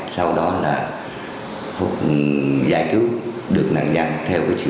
sau đó là giải cứu được nạn nhân